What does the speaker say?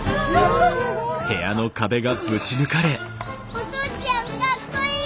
お父ちゃんかっこいい！